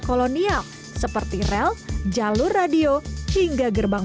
kolonial seperti rel jalur radio hingga gerbang